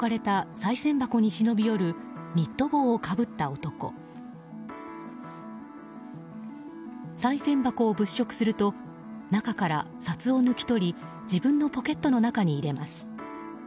さい銭箱を物色すると中から札を抜き取り自分のポケットの中に入れます。